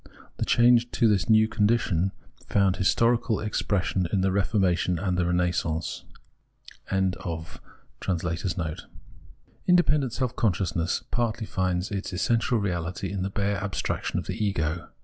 The change to this new condition found historical expression in the Reformation and the Renaissance]. 190 Phenomenology of Mind Independent self consciousness partly finds its essen tial reality in the bare abstraction of Ego.